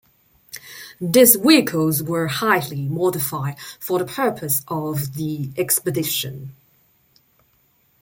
These vehicles were highly modified for the purposes of the expedition.